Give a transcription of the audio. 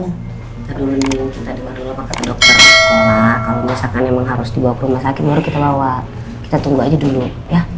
kita dulu nih kita dimarilah pak kata dokter di sekolah kalau masakan memang harus dibawa ke rumah sakit baru kita bawa kita tunggu aja dulu ya